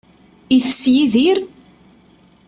Itess Yidir?